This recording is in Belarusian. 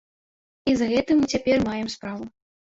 І з гэтым мы цяпер маем справу.